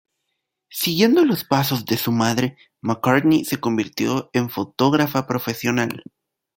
Siguiendo los pasos de su madre, McCartney se convirtió en fotógrafa profesional.